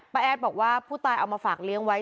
แอดบอกว่าผู้ตายเอามาฝากเลี้ยงไว้